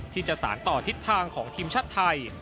ที่จะสารต่อทิศทางของทีมชาติไทย